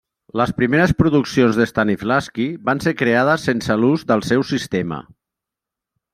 Les primeres produccions de Stanislavski van ser creades sense l'ús del seu sistema.